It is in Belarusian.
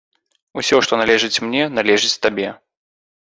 Усё, што належыць мне, належыць табе.